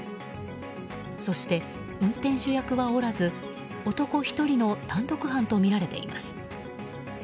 そして、運転手役はおらず男１人の単独犯とみられています。